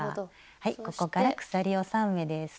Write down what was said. はいここから鎖を３目です。